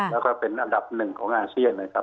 แล้วก็เป็นอันดับหนึ่งของอาเซียนนะครับ